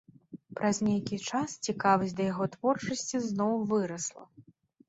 Праз нейкі час цікавасць да яго творчасці зноў вырасла.